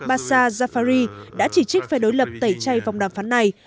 basar zafari đã chỉ trích phe đối lập tẩy chay vòng đàm phán này